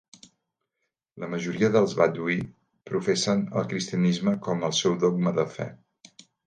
La majoria dels Badwe'e professen el cristianisme com el seu dogma de fe.